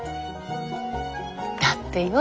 だってよ？